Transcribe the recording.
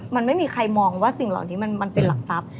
มันไม่มีใครมองว่าสิ่งเหล่านี้มันเป็นหลักทรัพย์